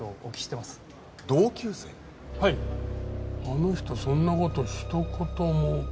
あの人そんな事ひと言も。